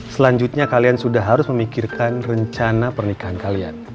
selanjutnya kalian sudah harus memikirkan rencana pernikahan kalian